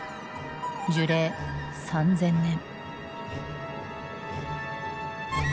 樹齢３，０００年。